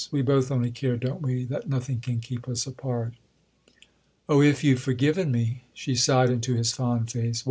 We both only care, don't we, that nothing can keep us apart?" "Oh, if you've forgiven me—!" she sighed into his fond face.